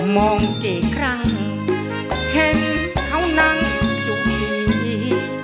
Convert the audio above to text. มองเก่งครั้งเห็นเขานั่งอยู่ดี